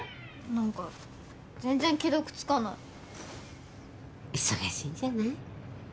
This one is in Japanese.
何か全然既読つかない忙しいんじゃない？